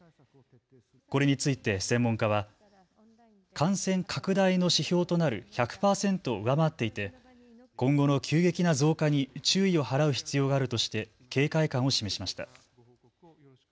これについて専門家は感染拡大の指標となる１００％を上回っていて今後の急激な増加に注意を払う必要があるとして警戒感を示しました。